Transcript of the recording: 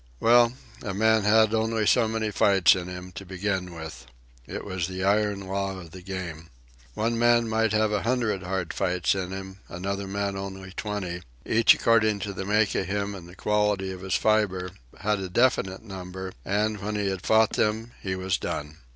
Well, a man had only so many fights in him, to begin with. It was the iron law of the game. One man might have a hundred hard fights in him, another man only twenty; each, according to the make of him and the quality of his fibre, had a definite number, and, when he had fought them, he was done.